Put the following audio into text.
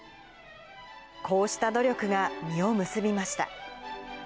こうした努力が実を結びました。